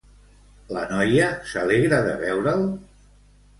La noia s'alegra de veure'l?